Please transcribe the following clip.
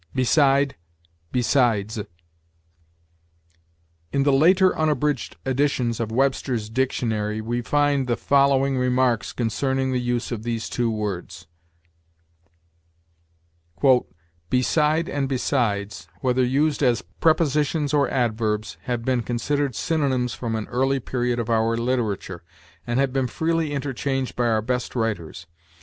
BESIDE BESIDES. In the later unabridged editions of Webster's dictionary we find the following remarks concerning the use of these two words: "Beside and besides, whether used as prepositions or adverbs, have been considered synonymous from an early period of our literature, and have been freely interchanged by our best writers.